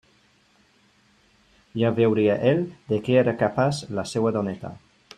Ja veuria ell de què era capaç la seua doneta.